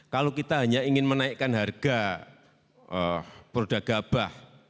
kalau kita hanya ingin menaikkan harga produk gabah